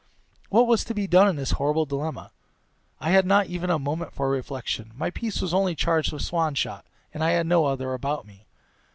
What was to be done in this horrible dilemma? I had not even a moment for reflection; my piece was only charged with swan shot, and I had no other about me.